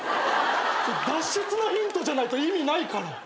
脱出のヒントじゃないと意味ないから。